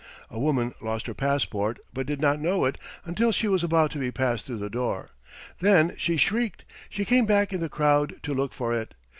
A woman lost her passport, but did not know it until she was about to be passed through the door. Then she shrieked. She came back in the crowd to look for it.